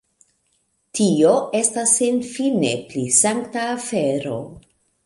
Tio estas senfine pli sankta afero.